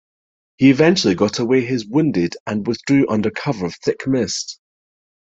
He eventually got away his wounded and withdrew under cover of thick mist.